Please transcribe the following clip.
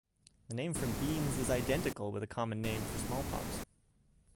The name for beans is identical with the common name for smallpox